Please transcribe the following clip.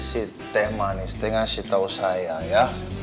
si teh manis teh ngasih tau saya ya